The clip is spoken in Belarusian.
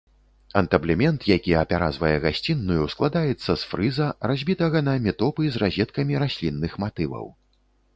Антаблемент, які апяразвае гасціную, складаецца з фрыза, разбітага на метопы з разеткамі раслінных матываў.